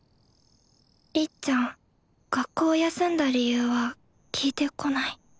りっちゃん学校休んだ理由は聞いてこない